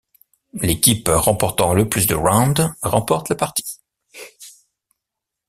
L'équipe remportant le plus de rounds remporte la partie.